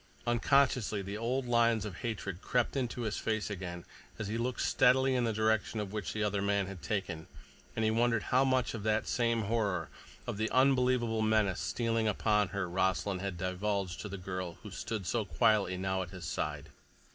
Unconsciously the old lines of hatred crept into his face again as he looked steadily in the direction which the other man had taken, and he wondered how much of that same horror—of the unbelievable menace stealing upon her—Rossland had divulged to the girl who stood so quietly now at his side.